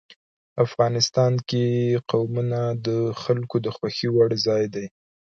افغانستان کې قومونه د خلکو د خوښې وړ ځای دی.